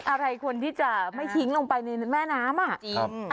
อะไรควรที่จะไม่ทิ้งลงไปในแม่น้ำอ่ะจริง